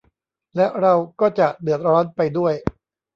และเราก็จะเดือดร้อนไปด้วย